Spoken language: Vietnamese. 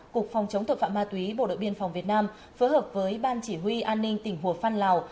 cục phòng chống tội phạm ma túy bộ đội biên phòng việt nam phối hợp với ban chỉ huy an ninh tỉnh hồ phan lào